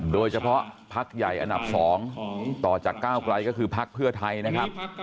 โดยเฉพาะพักใหญ่อันดับ๒ต่อจากก้าวไกลก็คือพักเพื่อไทยนะครับ